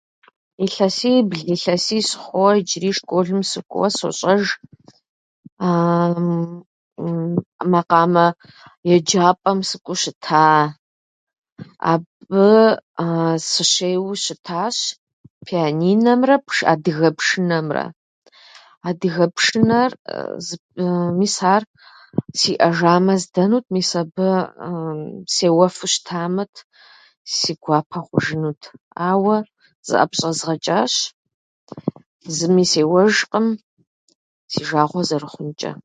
Илъэсибл илъэсищ хъууэ иджыри школым сыкӏуэуэ сощӏэж макъамэ еджапӏэм сыкӏуэу щыта. Абы сыщуеуэу щытащ пианинэмрэ пш- адыгэ пшынэмрэ. Адыгэ пшынэр зып- мис ар сиӏэжамэ здэнут. Мис абы сеуэфу щытамэт си гуапэ хъужынут, ауэ зыӏэпыщӏэзгъэчӏащ, зыми сеуэжкъым си жагъуэ зэрыхъунчӏэ.